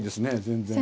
全然。